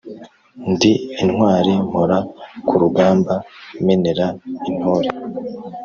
Ndi intwari mpora ku rugamba menera intore.